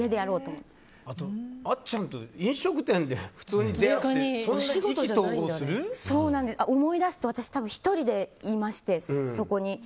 あっちゃんと飲食店で普通に出会って思い出すと私１人でいまして、そこに。